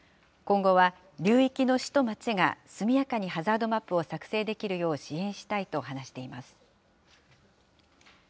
今後は流域の市と町が速やかにハザードマップを作成できるよう支援したいと話しています。